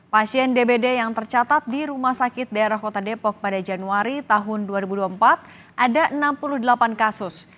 pasien dbd yang tercatat di rumah sakit daerah kota depok pada januari tahun dua ribu dua puluh empat ada enam puluh delapan kasus